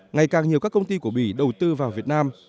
ngày càng nhiều các công ty của bỉ đầu tư vào việt nam